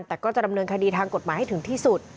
แต่ก็จะดำเนินคดีทางกฎหมายให้ถึงที่สุด